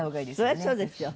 そりゃそうですよ。